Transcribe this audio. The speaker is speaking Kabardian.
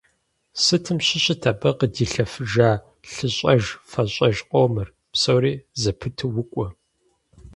Сытым щыщыт абы къыдилъэфыжа лъыщӏэж-фэщӏэж къомыр… Псори зэпыту укӏуэ.